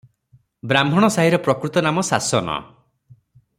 ବ୍ରାହ୍ମଣସାହିର ପ୍ରକୃତ ନାମ ଶାସନ ।